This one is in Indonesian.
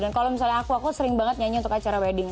dan kalau misalnya aku aku sering banget nyanyi untuk acara wedding